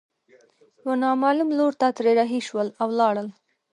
يوه نامعلوم لور ته ترې رهي شول او ولاړل.